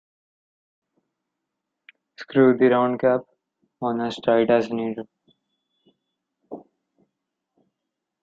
Screw the round cap on as tight as needed.